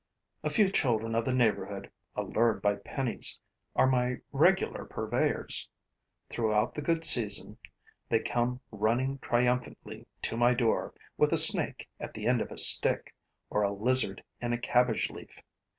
A few children of the neighborhood, allured by pennies, are my regular purveyors. Throughout the good season, they come running triumphantly to my door, with a snake at the end of a stick, or a lizard in a cabbage leaf.